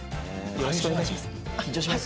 よろしくお願いします